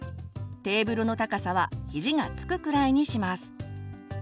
テーブルの高さは肘がつくくらいにします。